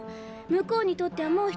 向こうにとっては「もう」